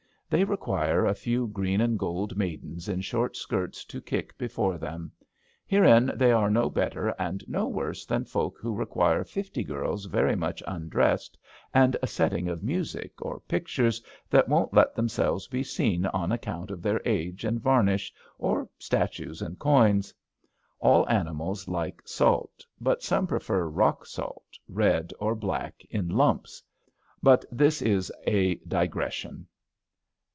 They require a few green and gold maidens in short skirts to kick before them. Herein they are no better and no worse than folk who require fifty girls very much undressed, and a setting of music, or pictures that won't let themselves be seen on ac count of their age and varnish, or statues and coins. All animals like salt, but some prefer rock salt, red or black in lumps. But this is a digression.